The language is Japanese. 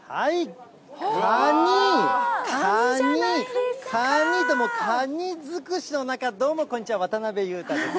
カニ、カニ、カニって、カニ尽くしの中、どうも、こんにちは、渡辺裕太です。